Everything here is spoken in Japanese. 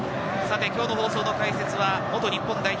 放送の解説は元日本代表